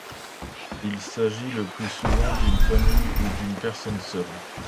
Il s'agit le plus souvent d'une famille ou d'une personne seule.